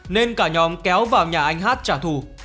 nên cả nhóm kéo vào nhà anh hát trả thù